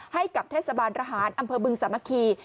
ให้กับเทศบาลระหารอำเภอบึงสามัคคี